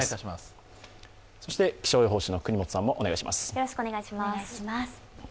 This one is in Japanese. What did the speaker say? そして気象予報士の國本さんもお願いします。